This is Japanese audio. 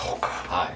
はい。